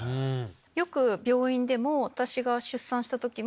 よく病院でも私が出産した時も。